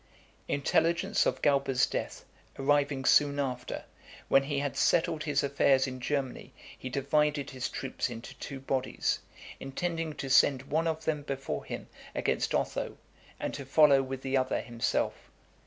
IX. Intelligence of Galba's death arriving soon after, when he had settled his affairs in Germany he divided his troops into two bodies, intending to send one of them before him against Otho, and to follow with the other himself.